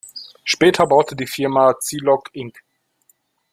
Später baute die Firma Zilog Inc.